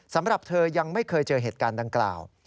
สำหรับเธอยังไม่เคยเจอเหตุการณ์ดังกล่าว